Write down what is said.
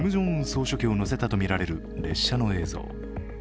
総書記を乗せたとみられる列車の映像。